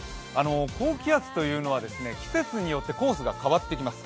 高気圧というのは季節によってコースが変わってきます。